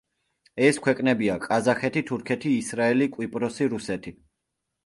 ეს ქვეყნებია: ყაზახეთი, თურქეთი, ისრაელი, კვიპროსი, რუსეთი.